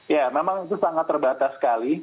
ya memang itu sangat terbatas sekali